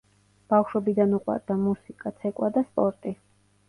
ბავშობიდან უყვარდა მუსიკა, ცეკვა და სპორტი.